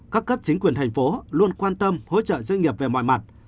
các cấp chính quyền thành phố luôn quan tâm hỗ trợ doanh nghiệp về mọi mặt